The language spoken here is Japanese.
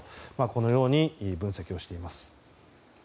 このように分析しています。